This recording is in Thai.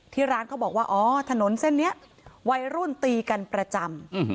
ที่ร้านเขาบอกว่าอ๋อถนนเส้นนี้วัยรุ่นตีกันประจำ